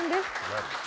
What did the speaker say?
何？